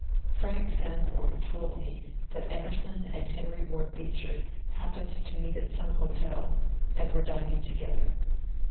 Frank Sanborn told me that Emerson and Henry Ward Beecher happened to meet at some hotel and were din ing together.